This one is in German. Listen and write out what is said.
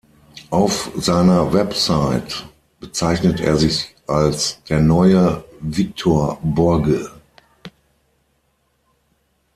Auf seiner Website bezeichnet er sich als „der neue Victor Borge“.